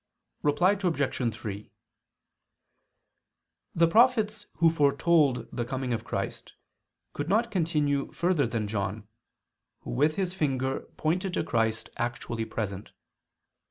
Reply Obj. 3: The prophets who foretold the coming of Christ could not continue further than John, who with his finger pointed to Christ actually present.